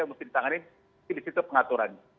yang harus ditangani di sisi pengaturannya